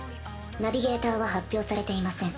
ナビゲーターは発表されていません